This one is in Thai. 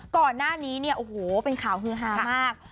ก่อนหน้านี้เนี่ยโอ้โหเป็นข่าวฮือฮามาก